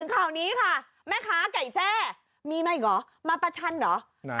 ข่าวนี้ค่ะแม่ค้าไก่แจ้มีมาอีกเหรอมาประชันเหรอ